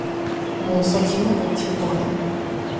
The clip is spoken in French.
Mon sentiment compte-t-il pour rien?